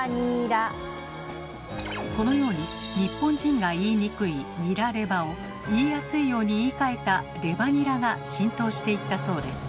このように日本人が言いにくい「ニラレバ」を言いやすいように言いかえた「レバニラ」が浸透していったそうです。